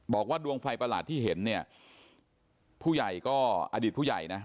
บอกว่าดวงไฟประหลาดที่เห็นอดีตผู้ใหญ่นะ